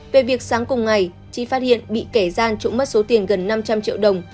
về việc sáng cùng ngày chị phát hiện bị kẻ gian trộm mất số tiền gần năm trăm linh triệu đồng